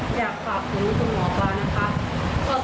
อยากฝากถึงคุณหมอปลานะคะ